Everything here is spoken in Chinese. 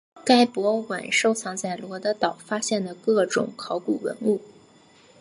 该博物馆收藏在罗得岛发现的各种考古文物。